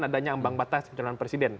adanya ambang batas pencalonan presiden